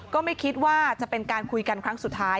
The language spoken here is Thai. ก็ไม่คิดว่าจะเป็นการคุยกันครั้งสุดท้าย